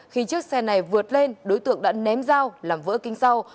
khi chiếc xe này vượt lên đối tượng đã ném dao làm vỡ kính sau